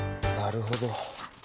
なるほど。